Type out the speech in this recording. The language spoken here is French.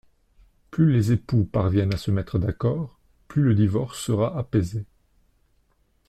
Plus les époux parviennent à se mettre d’accord, plus le divorce sera apaisé.